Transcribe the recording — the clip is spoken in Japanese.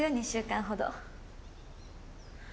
２週間ほど。